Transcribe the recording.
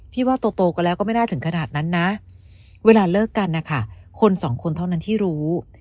ว่าโตกันแล้วก็ไม่ได้ถึงขนาดนั้นนะเวลาเลิกกันนะคะคนสองคนเท่านั้นที่รู้